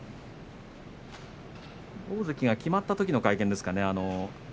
大関が決まったときの会見ですかね